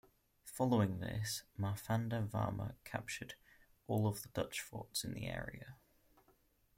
Following this, Marthanda Varma captured all of the Dutch forts in the area.